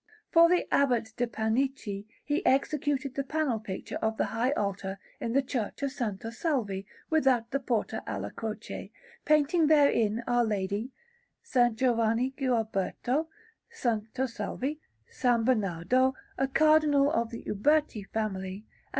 For the Abbot de' Panichi he executed the panel picture of the high altar in the Church of S. Salvi, without the Porta alla Croce, painting therein Our Lady, S. Giovanni Gualberto, S. Salvi, S. Bernardo, a Cardinal of the Uberti family, and S.